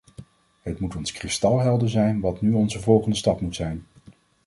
Het moet ons kristalhelder zijn wat nu onze volgende stap moet zijn.